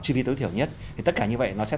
chi phí tối thiểu nhất thì tất cả như vậy nó sẽ